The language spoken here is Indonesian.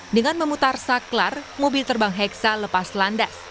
dengan memutar saklar mobil terbang heksa lepas landas